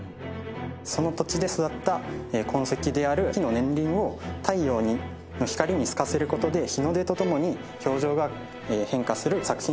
その土地で育った痕跡である木の年輪を太陽の光に透かせることで日の出とともに表情が変化する作品を考えています。